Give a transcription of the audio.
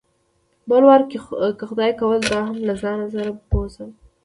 بل وار به که خدای کول دا هم له ځان سره بوځم.